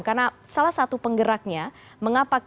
karena salah satu penggeraknya